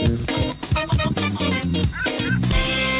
นะครับ